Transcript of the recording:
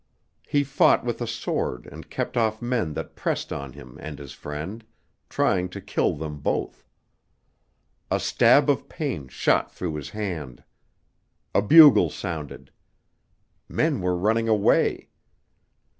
He fought with a sword and kept off men that pressed on him and his friend, trying to kill them both. A stab of pain shot through his hand. A bugle sounded. Men were running away.